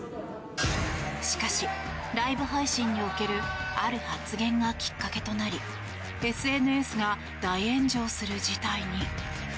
しかしライブ配信におけるある発言がきっかけとなりＳＮＳが大炎上する事態に。